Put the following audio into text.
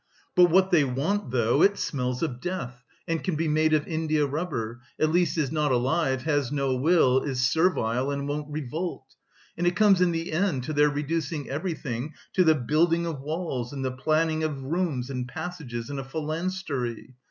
But what they want though it smells of death and can be made of India rubber, at least is not alive, has no will, is servile and won't revolt! And it comes in the end to their reducing everything to the building of walls and the planning of rooms and passages in a phalanstery!